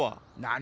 何！？